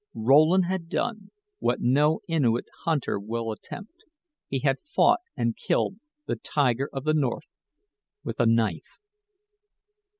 Rowland had done what no Innuit hunter will attempt he had fought and killed the Tiger of the North with a knife.